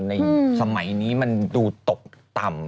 ในสมัยนี้มันดูตกต่ำ